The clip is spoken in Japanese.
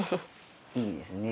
いいですね。